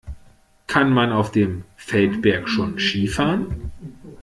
Kann man auf dem Feldberg schon Ski fahren?